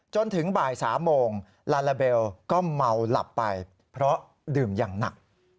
จนถึงบ่าย๓โมงลาลาเบลก็เมาหลับไปเพราะดื่มอย่างหนัก